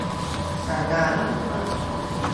ถ้าหน้ามันชัด